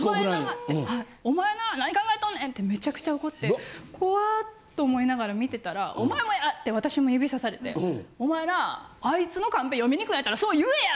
ってお前な何考えとんねんってめちゃくちゃ怒って怖と思いながら見てたらお前もや！って私も指さされてお前なあいつのカンペ読みにくいんやったらそう言えや！